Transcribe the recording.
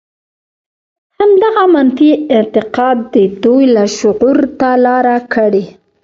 همدغه منفي اعتقاد د دوی لاشعور ته لاره کړې.